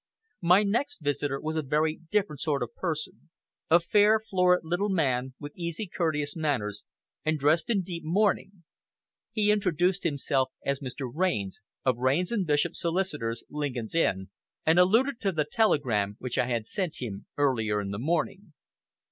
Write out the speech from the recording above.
My next visitor was a very different sort of person, a fair, florid little man, with easy, courteous manners, and dressed in deep mourning. He introduced himself as Mr. Raynes, of Raynes and Bishop, Solicitors, Lincoln's Inn, and alluded to the telegram which I had sent him earlier in the morning.